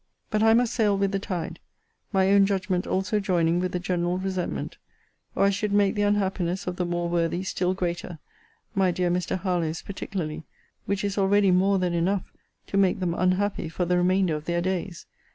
But I must sail with the tide; my own judgment also joining with the general resentment; or I should make the unhappiness of the more worthy still greater, [my dear Mr. Harlowe's particularly;] which is already more than enough to make them unhappy for the remainder of their days.